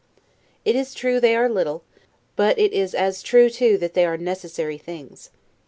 It is true they are little, but it is as true too that they are necessary things.